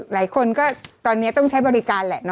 หลายคนก็ตอนนี้ต้องใช้บริการแหละนะ